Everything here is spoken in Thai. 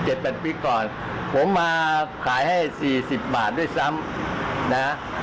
แปดปีก่อนผมมาขายให้สี่สิบบาทด้วยซ้ำนะ